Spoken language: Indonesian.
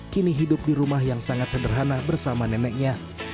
kini hidup di rumah yang sangat sederhana bersama neneknya